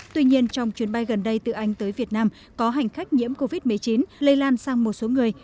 tuy nhiên trong chuyến bay gần đây từ anh tới việt nam có hành khách nhiễm covid một mươi chín lây lan sang một số người